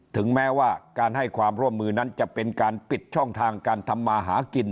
ถึงแม้ว่าการให้ความร่วมมือนั้นจะเป็นการปิดช่องทางการทำมาหากิน